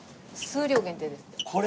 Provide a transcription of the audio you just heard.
数量限定ですって。